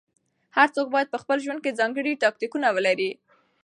هر څوک بايد په خپل ژوند کې ځانګړي تاکتيکونه ولري.